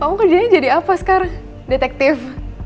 kamu kerjanya jadi apa sekarang detektif